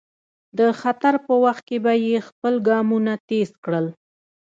د خطر په وخت کې به یې خپل ګامونه تېز کړل.